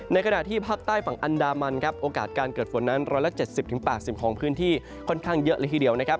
ขณะที่ภาคใต้ฝั่งอันดามันครับโอกาสการเกิดฝนนั้น๑๗๐๘๐ของพื้นที่ค่อนข้างเยอะเลยทีเดียวนะครับ